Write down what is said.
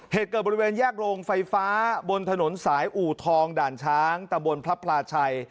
เหตุเกิดบริเวณแยกโรงไฟฟ้าบนถนนสายอู่ทองด่านช้างตะบนพระพลาชัย